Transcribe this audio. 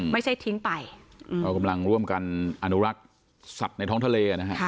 ไม่ใช่ทิ้งไปก็กำลังร่วมกันอนุรักษ์สัตว์ในท้องทะเลนะฮะ